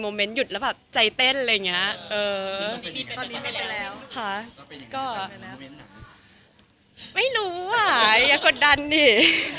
คือคือความสำคัญกับพี่เนมคือก็จบกันด้วยดี